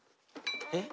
えっ？